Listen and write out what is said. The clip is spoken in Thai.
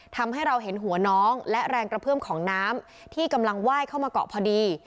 ทำให้เราเห็นหัวน้องและแรงกระเพื่อมของน้ำที่กำลังไหว้เข้ามาเกาะพอดี